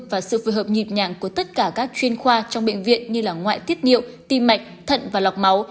và sự phù hợp nhịp nhàng của tất cả các chuyên khoa trong bệnh viện như ngoại tiết nhiệu tim mạch thận và lọc máu